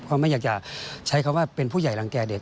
เขาไม่อยากจะใช้คำว่าเป็นผู้ใหญ่รังแก่เด็ก